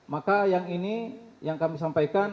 maka yang ini yang kami sampaikan